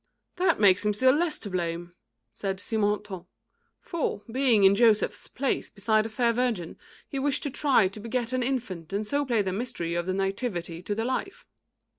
"That makes him still less to blame," said Simontault, "for, being in Joseph's place beside a fair virgin, he wished to try to beget an infant and so play the Mystery of the Nativity to the life."